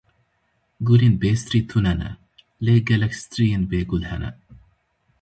Gulên bêstrî tune ne, lê gelek striyên bêgul hene.